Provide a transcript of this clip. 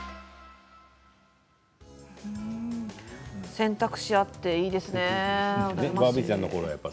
選択肢があっていいですね。